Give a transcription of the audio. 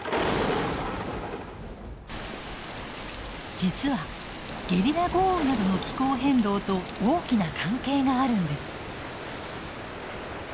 実はゲリラ豪雨などの気候変動と大きな関係があるんです。